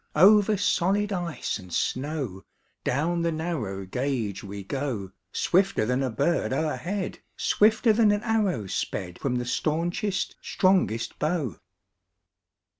Over solid ice and snow, Down the narrow gauge we go Swifter than a bird o'erhead, Swifter than an arrow sped From the staunchest, strongest bow.